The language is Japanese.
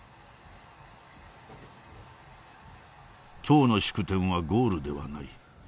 今日の祝典はゴールではない。